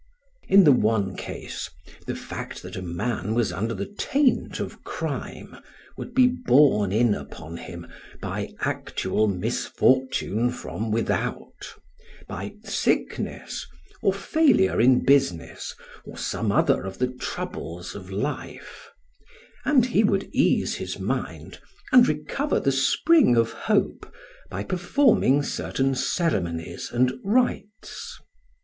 In the one case the fact that a man was under the taint of crime would be borne in upon him by actual misfortune from without by sickness, or failure in business, or some other of the troubles of life; and he would ease his mind and recover the spring of hope by performing certain ceremonies and rites.